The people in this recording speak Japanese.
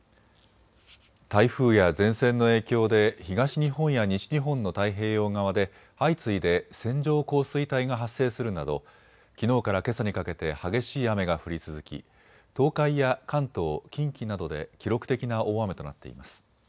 台風や前線の影響で東日本や西日本の太平洋側で相次いで線状降水帯が発生するなどきのうからけさにかけて激しい雨が降り続き東海や関東、近畿などで記録的な大雨となっています。